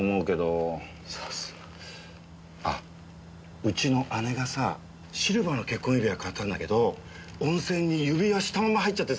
さすが。あっうちの姉がさシルバーの結婚指輪買ったんだけど温泉に指輪したまま入っちゃってさ。